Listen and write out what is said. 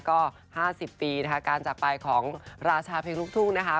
ก็๕๐ปีนะคะการจากไปของราชาเพลงลูกทุ่งนะคะ